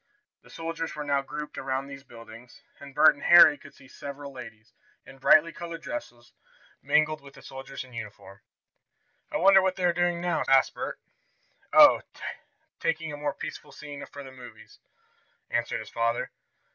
The soldiers were now grouped around these buildings, and Bert and Harry could see several ladies, in brightly colored dresses, mingled with the soldiers in uniform. "I wonder what they are doing now?" asked Bert. "Oh, taking a more peaceful scene for the movies," answered his father.